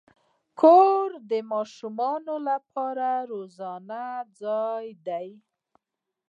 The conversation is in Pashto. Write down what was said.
کور د ماشومانو لپاره د روزنې ځای دی.